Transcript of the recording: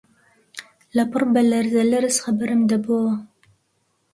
لەپڕ بە لەرزە لەرز خەبەرم دەبۆوە